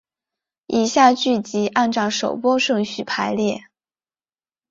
以下剧集按照首播顺序排列。